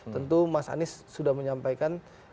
tentu mas anies sudah menyampaikan